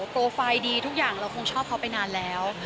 โปรไฟล์ดีทุกอย่างเราคงชอบเขาไปนานแล้ว